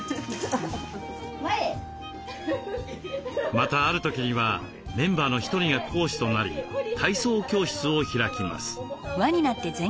またある時にはメンバーの１人が講師となり体操教室を開きます。